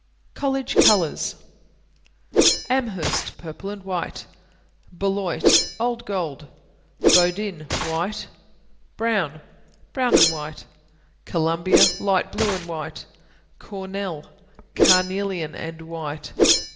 COLLEGE COLORS. Amherst Purple and white. Beloit Old gold, Bowdoin White. Brown Brown and white. Columbia Light blue and white. Cornell Carnelian and white.